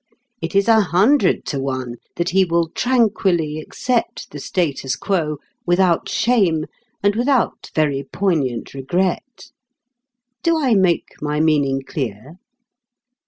It is a hundred to one that he will tranquilly accept the status quo, without shame and without very poignant regret. Do I make my meaning clear?